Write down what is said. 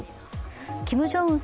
キム・ジョンウン